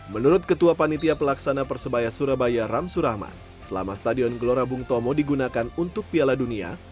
menurut ketua panitia pelaksana persebaya surabaya ramsu rahman selama stadion gelora bung tomo digunakan untuk piala dunia